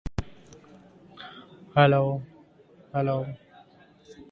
He was involved in the founding of the Irish Literary Society there.